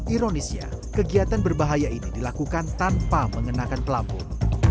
ironisnya kegiatan berbahaya ini dilakukan tanpa mengenakan pelampung